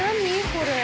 これ。